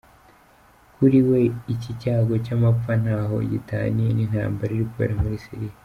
Kuri we, iki cyago cy’amapfa ntaho gitaniye n’intambara iri kubera muri Siriya.